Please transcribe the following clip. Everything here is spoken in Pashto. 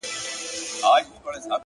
ما ناولونه ; ما كيسې ;ما فلسفې لوستي دي;